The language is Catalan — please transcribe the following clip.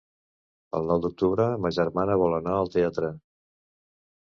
El nou d'octubre ma germana vol anar al teatre.